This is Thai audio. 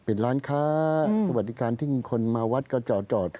เป็นร้านค้าสวัสดิการที่คนมาวัดก็จอด